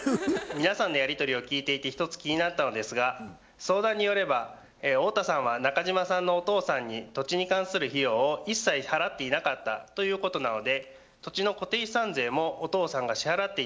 皆さんのやり取りを聞いていてひとつ気になったのですが相談によれば太田さんは中島さんのお父さんに土地に関する費用を一切払っていなかったということなので土地の固定資産税もお父さんが支払っていたということになりますよね。